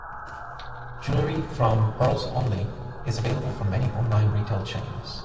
Jewellery from PearlsOnly is available from many online retail chains.